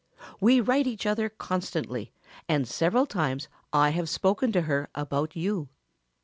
We write each other constantly and several times I have spoken to her about you.